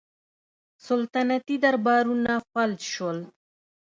سلطنتي دربارونه فلج شول.